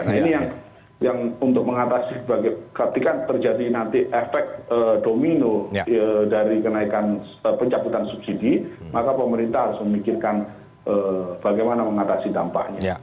nah ini yang untuk mengatasi ketika terjadi nanti efek domino dari kenaikan pencabutan subsidi maka pemerintah harus memikirkan bagaimana mengatasi dampaknya